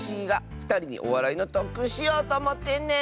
ふたりにおわらいのとっくんしようとおもってんねん！